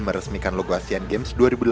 meresmikan logo asian games dua ribu delapan belas